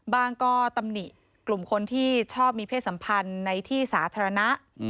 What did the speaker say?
ก็ตำหนิกลุ่มคนที่ชอบมีเพศสัมพันธ์ในที่สาธารณะ